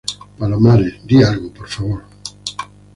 palomares, di algo, por favor.